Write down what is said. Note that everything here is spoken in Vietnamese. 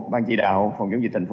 ban chí đạo phòng chống dịch thành phố